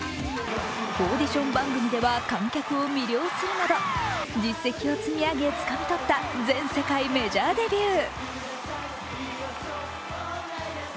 オーディション番組では観客を魅了するなど実績を積み上げ、つかみとった全世界メジャーデビュー。